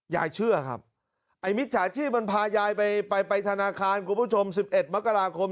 ยายเชื่อครับไอ้มิจฉาชีพมันพายายไปไปธนาคารคุณผู้ชม๑๑มกราคม